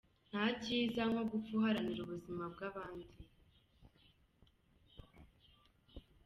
Nta cyiza nko gupfa uharanira ubuzima bw’abandi.